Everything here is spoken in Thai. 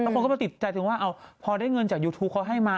คนก็มาติดใจถึงว่าพอได้เงินจากยูทูปเขาให้มา